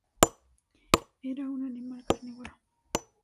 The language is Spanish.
Era un animal carnívoro.